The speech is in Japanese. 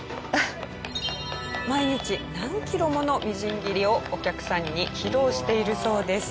毎日何キロものみじん切りをお客さんに披露しているそうです。